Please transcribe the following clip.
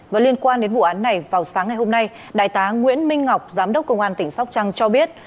và liên quan đến vụ án này vào sáng ngày hôm nay đại tá nguyễn minh ngọc giám đốc công an tỉnh sóc trăng cho biết